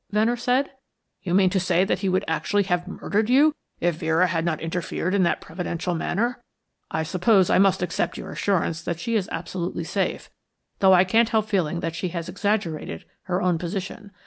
Venner said. "You mean to say that he would actually have murdered you if Vera had not interfered in that providential manner? I suppose I must accept your assurance that she is absolutely safe, though I can't help feeling that she has exaggerated her own position.